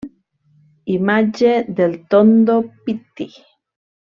Imatge del Tondo Pitti.